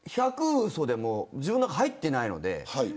うそでも自分の中に入ってないので。